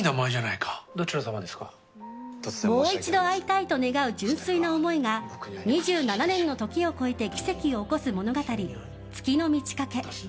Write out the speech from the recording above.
もう一度会いたいと願う純粋な思いが２７年の時を越えて奇跡を起こす物語「月の満ち欠け」。